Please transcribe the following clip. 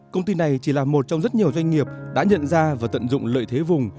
công ty này chỉ là một trong rất nhiều doanh nghiệp đã nhận ra và tận dụng lợi thế vùng